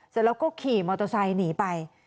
สุดยอดแล้วเราก็ขี่มอเตอร์ไซค์หนีไป